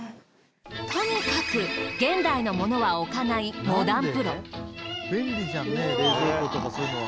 とにかく現代の物は置かないモダンプロ。